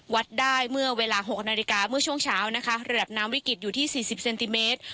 วัดได้เมื่อเวลา๖นาฬิกาเมื่อช่วงเช้านะคะระดับน้ำวิกฤตอยู่ที่๔๐เซนติเมตร